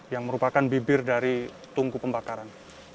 yang merupakan bibir dari tungku pembakaran